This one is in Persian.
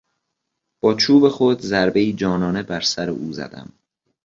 با چوب خود ضربهی جانانهای بر سر او زدم.